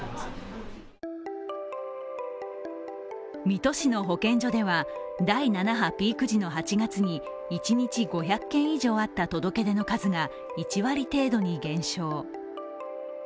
水戸市の保健所では、第７波ピーク時の８月に一日５００件以上あった届け出の数が１割程度に減少。